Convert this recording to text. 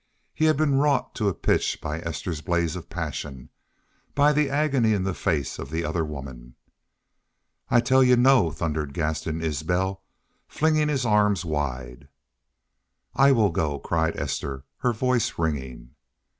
He had been wrought to a pitch by Esther's blaze of passion, by the agony in the face of the other woman. "I tell y'u no!" thundered Gaston Isbel, flinging his arms wide. "I WILL GO!" cried Esther, her voice ringing.